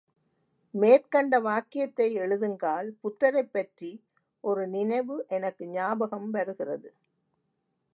மேற்கண்ட வாக்கியத்தை எழுதுங்கால் புத்தரைப்பற்றி ஒரு நினைவு எனக்கு ஞாபகம் வருகிறது.